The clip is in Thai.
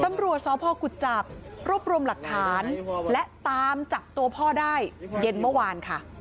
ตำรวจสพกุจจับรวบรวมหลักฐานและตามจับตัวพ่อได้เย็นเมื่อวานค่ะ